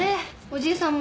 おじいさん